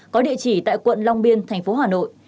có địa chỉ tại quận long biên thành phố hà nội